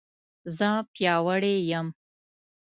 زه پیاوړې یم